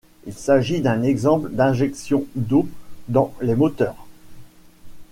Il s'agit d'un exemple d'injection d'eau dans les moteurs.